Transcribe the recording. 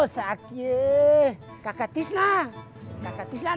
sudah teu yen tindoken sensih nih gan